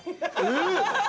◆えっ？